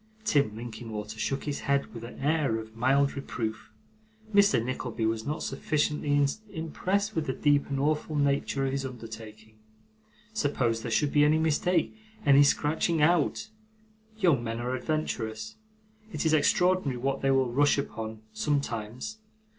Tim Linkinwater shook his head with an air of mild reproof. Mr. Nickleby was not sufficiently impressed with the deep and awful nature of his undertaking. Suppose there should be any mistake any scratching out! Young men are adventurous. It is extraordinary what they will rush upon, sometimes.